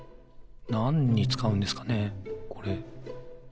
なんにつかうんですかねこれ？